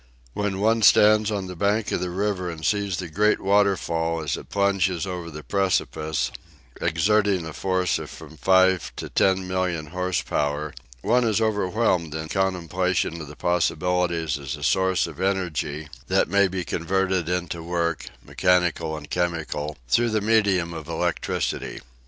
When one stands on the bank of the river and sees the great waterfall as it plunges over the precipice, exerting a force of from five to ten million horse power, one is overwhelmed in contemplation of its possibilities as a source of energy that may be converted into work, mechanical and chemical, through the medium of electricity.